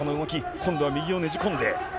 今度は右をねじ込んで。